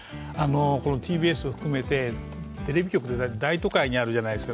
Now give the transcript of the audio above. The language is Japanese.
ＴＢＳを含めてテレビ局って大都会にあるじゃないですか。